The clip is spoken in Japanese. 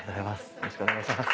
よろしくお願いします。